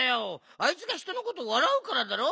あいつがひとのことわらうからだろ。